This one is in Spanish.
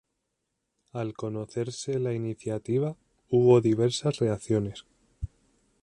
Al conocerse la iniciativa, hubo diversas reacciones.